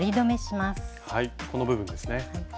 はいこの部分ですね。